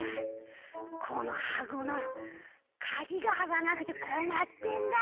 このはこのかぎがあかなくてこまってんだ。